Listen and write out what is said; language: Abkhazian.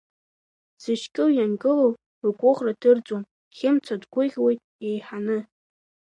Зышькыл иангылоу ргәыӷра дырӡуам, Хьымца дгәыӷуеит еиҳаны.